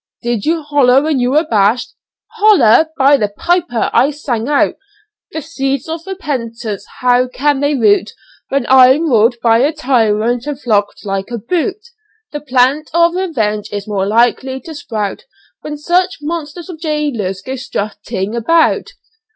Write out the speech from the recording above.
"Did you holloa when you were bashed?" "Holloa! by the piper, I sang out 'The seeds of repentance, how can they take root, When I'm ruled by a tyrant and flogged like a brute; The plant of revenge is more likely to sprout When such monsters of jailers go strutting about.'